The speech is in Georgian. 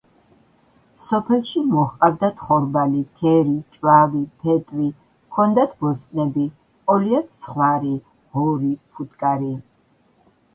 სოფელში მოჰყავდათ ხორბალი, ქერი, ჭვავი, ფეტვი, ჰქონდათ ბოსტნები; ჰყოლიათ ცხვარი, ღორი, ფუტკარი.